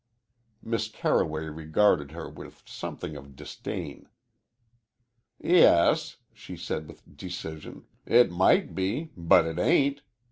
Miss Carroway regarded her with something of disdain. "Yes," she said, with decision, "it might be, but it ain't.